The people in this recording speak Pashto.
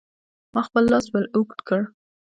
ما خپل لاس ور اوږد کړ.